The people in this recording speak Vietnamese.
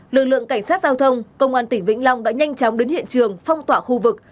lực lượng cảnh sát giao thông công an tỉnh vĩnh long đã nhanh chóng đến hiện trường phong tỏa khu vực